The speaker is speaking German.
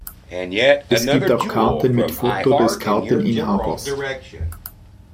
Es gibt auch Karten mit Foto des Karteninhabers.